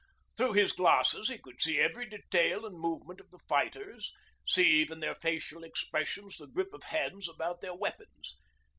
Through his glasses he could see every detail and movement of the fighters, see even their facial expressions, the grip of hands about their weapons.